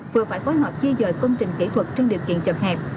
vừa phải phối hợp di dời công trình kỹ thuật trong điều kiện chậm hẹp